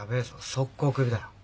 即行クビだ。